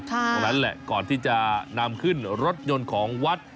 ตรงนั้นแหละก่อนที่จะนำขึ้นรถยนต์ของวัด